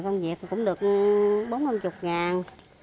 công việc cũng được bốn năm chục ngàn